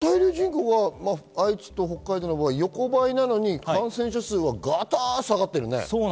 滞留人口が愛知と北海道の場合は横ばいなのに、感染者数はガタッと下がっているね。